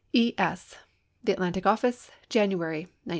E. S. The Atlantic Office. January, 1918.